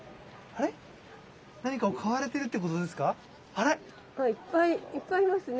あいっぱいいっぱいいますね。